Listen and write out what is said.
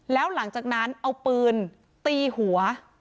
แล้วหลังจากนั้นเอาปืนตีหัว